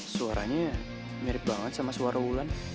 suaranya mirip banget sama suara wulan